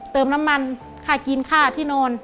เติมน้ำมันค่ากินค่าที่นอน